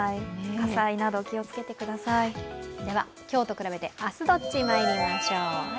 今日と比べて明日どっち、まいりましょう。